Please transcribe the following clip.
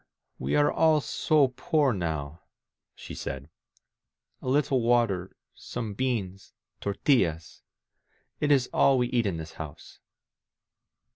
"We are all so poor now," she said. A little water, some beans — tortillas. ... It is all we eat in this house.